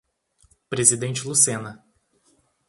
Presidente Lucena